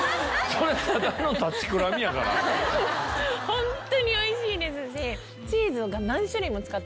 本当においしいですし。